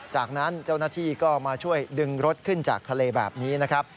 จากนั้นเจ้าหน้าที่ก็มาช่วยดึงรถขึ้นจากทะเลแบบนี้นะครับ